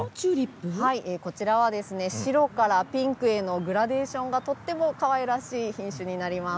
こちらは白からピンクのグラデーションがとってもかわいらしい品種になります。